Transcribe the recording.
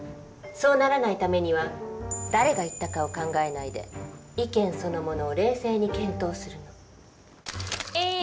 そうならないためには誰が言ったかを考えないで意見そのものを冷静に検討するの。